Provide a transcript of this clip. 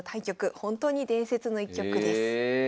本当に伝説の一局です。え。